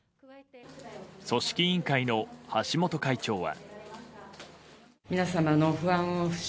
組織委員会の橋本会長は。